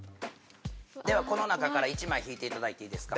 ではこの中から１枚引いていただいていいですか？